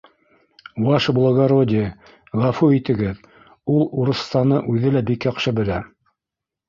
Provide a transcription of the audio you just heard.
— Ваше благородие, ғәфү итегеҙ, ул урыҫсаны үҙе лә бик яҡшы белә.